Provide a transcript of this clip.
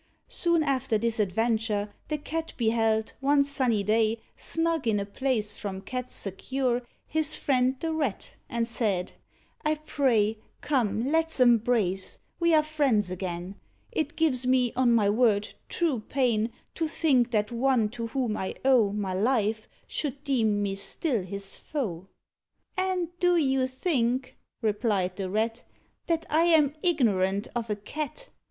Soon after this adventure The Cat beheld, one sunny day, Snug in a place from cats secure, His friend the Rat, and said, "I pray, Come, let's embrace, we are friends again. It gives me, on my word, true pain To think that one to whom I owe My life should deem me still his foe!" "And do you think," replied the Rat, "That I am ignorant of a Cat?